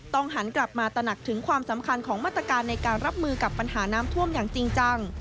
หันกลับมาตระหนักถึงความสำคัญของมาตรการในการรับมือกับปัญหาน้ำท่วมอย่างจริงจัง